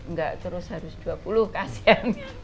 nggak terus harus dua puluh kasihan